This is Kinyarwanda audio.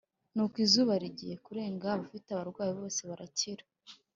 Nuko izuba rigiye kurenga abafite abarwayi bose barakira